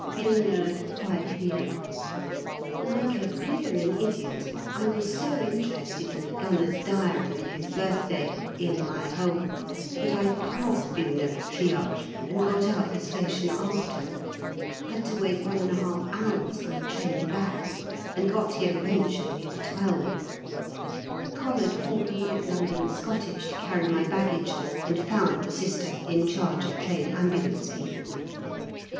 Villeneuve, 5 P.M. Like a blithering idiot, I was so interested in the Gunner's Diary of his birthday "in my hole" that I passed Villeneuve Triage, and got out the station after! Had to wait 1 1/2 hours for a train back, and got here eventually at 12. Collared four polite London Scottish to carry my baggage, and found the Sister in charge of Train Ambulance people.